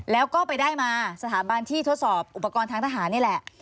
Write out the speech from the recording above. แล้วก็ไปได้มาสถาบันที่ทดสอบอุปกรณ์ทางทหารนี่แหละ